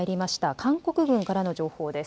韓国軍からの情報です。